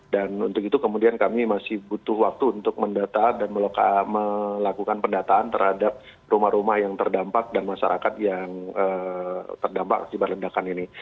dan untuk itu kemudian kami masih butuh waktu untuk mendata dan melakukan pendataan terhadap rumah rumah yang terdampak dan masyarakat yang terdampak di bar lendakan ini